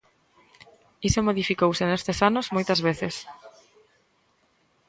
Iso modificouse nestes anos moitas veces.